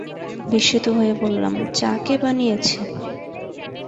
বিস্মিত হয়ে বললাম, চা কে বানিয়েছে?